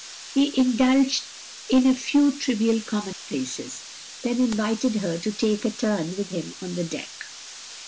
He indulged in a few trivial commonplaces, then invited her to take a turn with him on the deck.